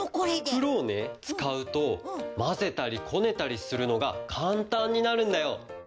ふくろをねつかうとまぜたりこねたりするのがかんたんになるんだよ。